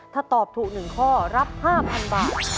ถ้าตอบถูก๑ข้อรับ๕๐๐๐บาท